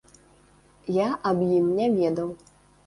Я аб ім не ведаў.